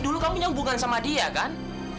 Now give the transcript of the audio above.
dulu kamu punya hubungan sama dia kan